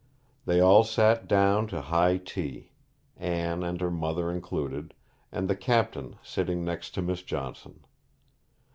They all sat down to high tea, Anne and her mother included, and the captain sitting next to Miss Johnson.